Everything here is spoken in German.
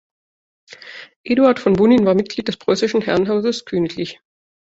Eduard von Bonin war Mitglied des Preußischen Herrenhauses, Kgl.